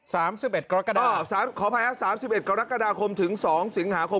สามสิบเอ็ดกรกฎาสามขออภัยฮะสามสิบเอ็ดกรกฎาคมถึงสองสิงหาคม